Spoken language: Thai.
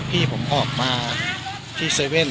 พี่ผมออกมาที่๗๑๑